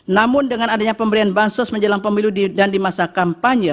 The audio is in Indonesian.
namun dengan adanya pemberian bansos menjelang pemilu dan di masa kampanye